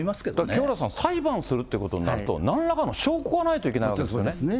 ま清原さん、裁判するということになると、なんらかの証拠がないといけないわけですよね。